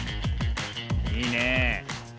いいね。